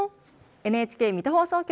ＮＨＫ水戸放送局